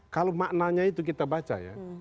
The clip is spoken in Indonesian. kalau maknanya itu kita baca ya